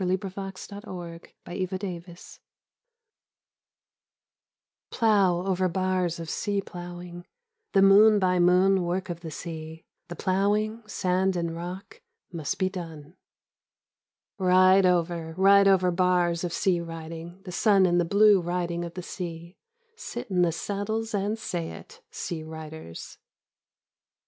32 Slabs of the Sunburnt West FINS Plow over bars of sea plov/ing, the moon by moon work of the sea, the plowing, sand and rock, must be done. Ride over, ride over bars of sea riding, the sun and the blue riding of the sea — sit in the saddles and say it, sea riders.